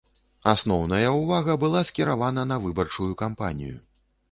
Асноўная ўвага была скіравана на выбарчую кампанію.